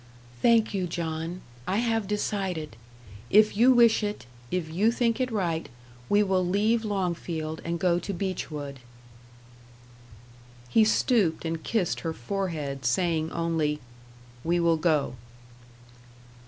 "Thank you, John. I have decided. If you wish it, if you think it right, we will leave Longfield and go to Beechwood." He stooped and kissed her forehead, saying only: "We will go."